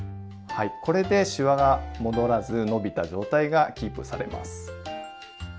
はいこれでしわが戻らず伸びた状態がキープされます。